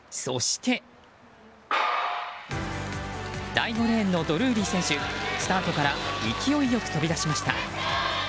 第５レーンのドルーリー選手スタートから勢いよく飛び出しました。